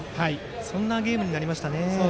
そんなゲームになりましたね。